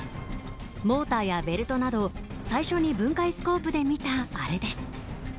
モーターやベルトなど最初に分解スコープで見たアレです。